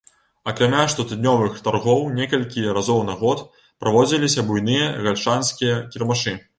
Акрамя штотыднёвых таргоў, некалькі разоў на год праводзіліся буйныя гальшанскія кірмашы.